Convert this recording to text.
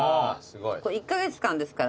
これ１カ月間ですから。